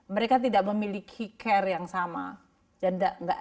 mereka tidak memiliki care yang sama